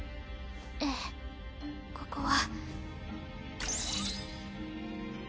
えぇここは。